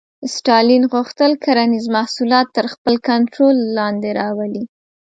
ستالین غوښتل کرنیز محصولات تر خپل کنټرول لاندې راولي.